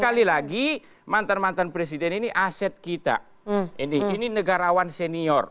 sekali lagi mantan mantan presiden ini aset kita ini negarawan senior